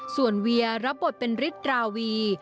ส่วนเวียรับบทเป็นฤทธิราวี